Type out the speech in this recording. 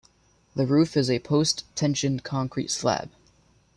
The roof is a post-tensioned concrete slab.